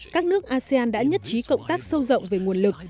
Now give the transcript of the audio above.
các nước asean đã nhất trí cộng tác sâu rộng về nguồn lực